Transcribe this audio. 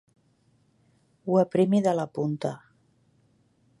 Ho aprimi de la punta.